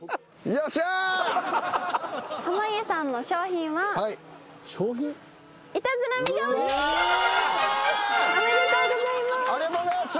やった！おめでとうございます。